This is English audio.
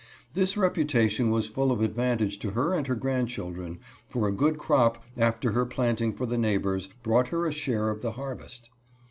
This reputation was full of advantage to her and her grandchildren, for a good crop, after her plant ing for the neighbors, brought her a share of the har vest.